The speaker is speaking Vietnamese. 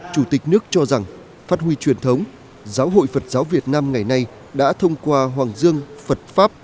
chủ tịch nước cho rằng phát huy truyền thống giáo hội phật giáo việt nam ngày nay đã thông qua hoàng dương phật pháp